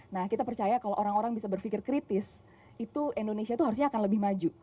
nah kita percaya kalau orang orang bisa berpikir kritis itu indonesia itu harusnya akan lebih maju